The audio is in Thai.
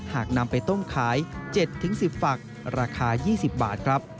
หากนำไปต้มขาย๗๑๐ฝักราคา๒๐บาทครับ